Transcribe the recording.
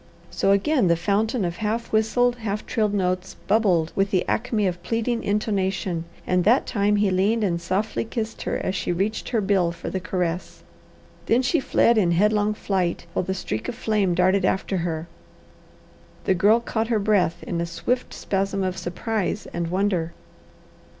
So again the fountain of half whistled, half trilled notes bubbled with the acme of pleading intonation and that time he leaned and softly kissed her as she reached her bill for the caress. Then she fled in headlong flight, while the streak of flame darted after her. The Girl caught her breath in a swift spasm of surprise and wonder.